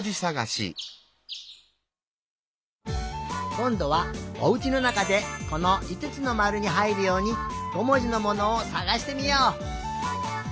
こんどはおうちのなかでこのいつつのまるにはいるように５もじのものをさがしてみよう！